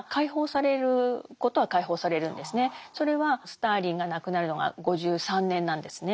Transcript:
それはスターリンが亡くなるのが５３年なんですね。